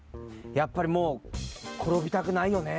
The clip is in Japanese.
やっぱりもうころびたくないよね。